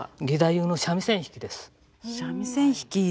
三味線弾き。